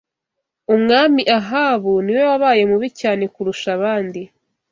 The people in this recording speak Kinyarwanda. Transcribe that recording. Umwami Ahabu ni we wabaye mubi cyane kurusha abandi